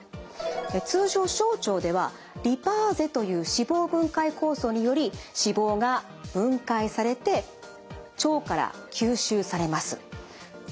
通常小腸ではリパーゼという脂肪分解酵素により脂肪が分解されて腸から吸収されます。